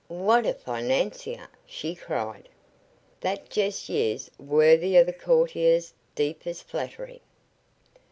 "What a financier!" she cried. "That jest was worthy of a courtier's deepest flattery.